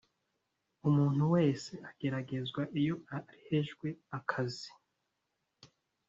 umuntu wese ageragezwa iyo arehejwe akazi